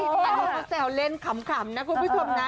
อันนี้เขาแซวเล่นขำนะคุณผู้ชมนะ